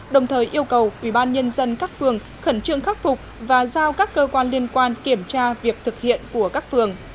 đồng thời yêu cầu ubnd các phường khẩn trương khắc phục và giao các cơ quan liên quan kiểm tra việc thực hiện của các phường